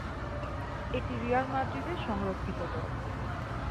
এটি রিয়াল মাদ্রিদের সংরক্ষিত দল।